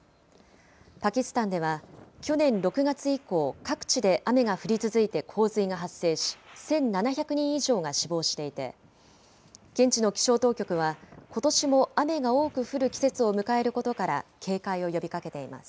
パキスタンでは、去年６月以降、各地で雨が降り続いて洪水が発生し、１７００人以上が死亡していて、現地の気象当局は、ことしも雨が多く降る季節を迎えることから警戒を呼びかけています。